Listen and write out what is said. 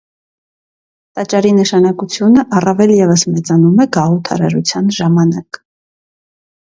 Տաճարի նշանակությունը առավել ևս մեծանում է գաղութարարության ժամանակ։